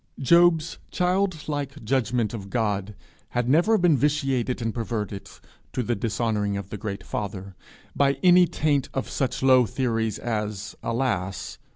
Job's child like judgment of God had never been vitiated and perverted, to the dishonouring of the great Father, by any taint of such low theories as, alas!